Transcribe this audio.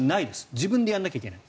自分でやらなきゃいけない。